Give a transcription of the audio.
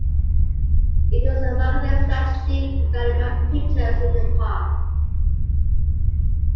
It was the marketing strategy regarding my pictures in the past.